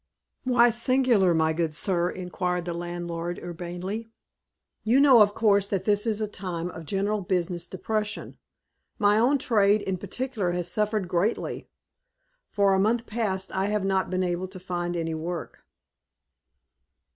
"Why singular, my good sir?" inquired the landlord, urbanely. "You know of course, that this is a time of general business depression; my own trade in particular has suffered greatly. For a month past, I have not been able to find any work."